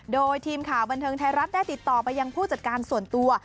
โดยทีมข่าวบันเทิงไทยรัฐได้ติดต่อไปยังผู้จัดการส่วนตัว